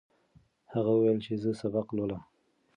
هغه وویل چې زه سبق لولم.